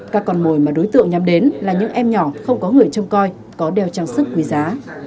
các con mồi mà đối tượng nhắm đến là những em nhỏ không có người trông coi có đeo trang sức quý giá